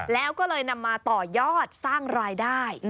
แล้วก็เลยนำมาต่อยอดสร้างรายได้